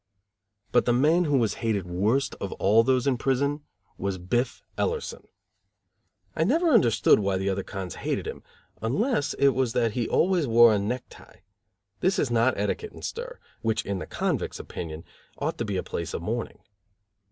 But the man who was hated worst of all those in prison was Biff Ellerson. I never understood why the other cons hated him, unless it was that he always wore a necktie; this is not etiquette in stir, which in the convicts' opinion ought to be a place of mourning.